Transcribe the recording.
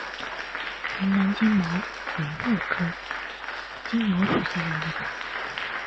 云南金茅为禾本科金茅属下的一个种。